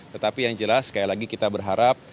tetapi yang jelas sekali lagi kita berharap